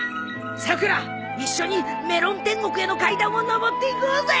さくら一緒にメロン天国への階段を上っていこうぜ！